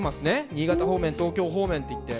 新潟方面東京方面っていって。